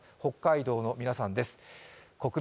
北海道の皆さんです。